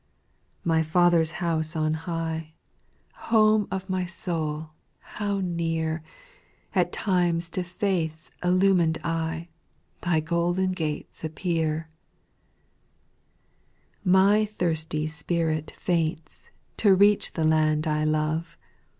8. My Father's house on high. Home of my soul, how near At times to faith's illumin'd eye Thy golden gates appear I 4. My thirsty spirit faints To reach the land I love.